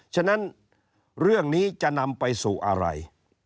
ฉะนั้นเรื่องนี้จะนำไปสู่อะไร